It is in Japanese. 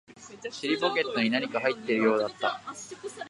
尻ポケットに何か入っているようだった